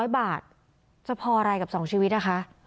๐บาทจะพออะไรกับ๒ชีวิตนะคะ